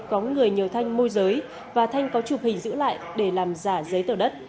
có người nhờ thanh môi giới và thanh có chụp hình giữ lại để làm giả giấy tờ đất